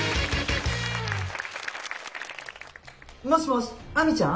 もしもし、アミちゃん。